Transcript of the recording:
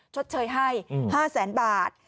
ชดเชยให้๕แสนบาท